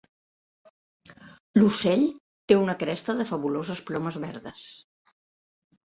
L'ocell té una cresta de fabuloses plomes verdes.